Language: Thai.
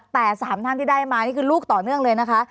แต่๓ท่านที่ได้มานี่คือลูกต่อเนื่องเลยนะคะ